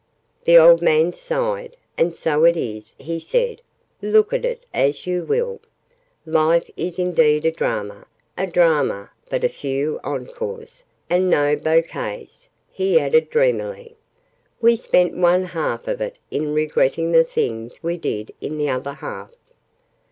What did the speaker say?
The old man sighed. "And so it is," he said, "look at it as you will. Life is indeed a drama; a drama with but few encores and no bouquets!" he added dreamily. "We spend one half of it in regretting the things we did in the other half!"